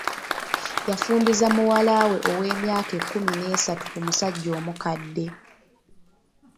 Yafumbiza muwala we ow'emyaka ekkumi n'esatu ku musajja omukadde.